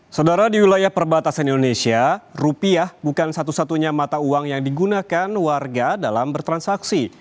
saudara di wilayah perbatasan indonesia rupiah bukan satu satunya mata uang yang digunakan warga dalam bertransaksi